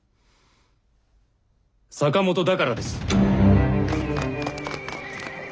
坂本だからです。